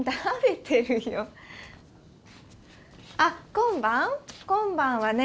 今晩はね